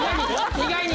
意外に！